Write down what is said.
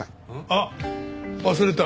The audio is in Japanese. あっ忘れた。